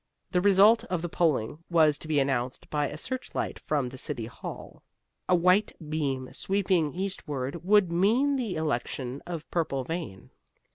The result of the polling was to be announced by a searchlight from the City Hall. A white beam sweeping eastward would mean the election of Purplevein.